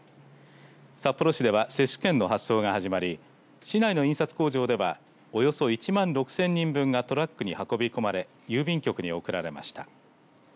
札幌市では接種券の発送が始まり市内の印刷工場ではおよそ１万６０００人分がトラックに運び込まれ郵便局に送られました。